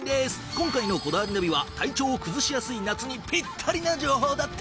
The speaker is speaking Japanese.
今回の『こだわりナビ』は体調を崩しやすい夏にピッタリな情報だって。